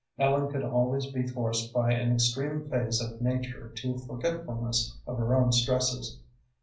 Ellen could always be forced by an extreme phase of nature to forgetfulness of her own stresses.